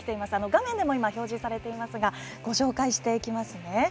画面でも表示されていますがご紹介していきますね。